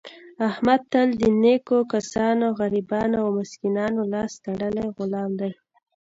احمد تل د نېکو کسانو، غریبانو او مسکینانو لاس تړلی غلام دی.